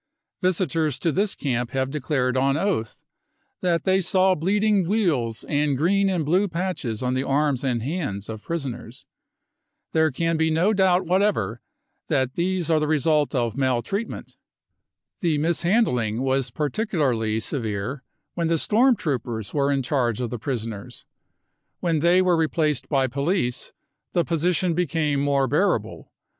Visitors to this camp have declared bn oath that they saw bleeding weals and green and blue patches on the arms and hands of prisoners. There can be no doubt THE CONCENTRATION CAMPS r whatever that these are the result of maltreatment. The mishandling was particularly severe when the storm troopers were in charge of the prisoners ; when they were replaced by police, the position became more bearable.